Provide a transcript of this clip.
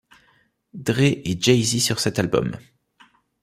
Dre et Jay-Z sur cet album.